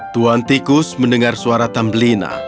tuan tikus mendengar suara tambelina